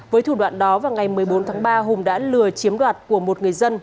với thủ đoạn đó vào ngày một mươi bốn tháng ba hùng đã lừa chiếm đoạt của một người dân